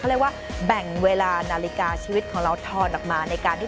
เรียกว่าแบ่งเวลานาฬิกาชีวิตของเราทอนออกมาในการที่